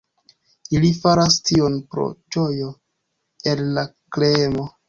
Ili faras tion pro ĝojo el la kreemo.